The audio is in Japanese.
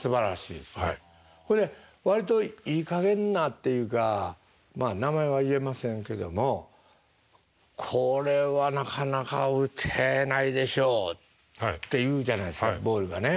割といいかげんなっていうかまあ名前は言えませんけどもこれはなかなか打てないでしょうって言うじゃないですかボールがね。